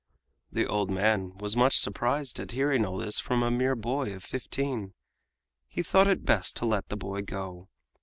The old man was much surprised at hearing all this from a mere boy of fifteen. He thought it best to let the boy go.